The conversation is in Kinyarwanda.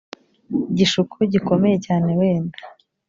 gishuko gikomeye cyane wenda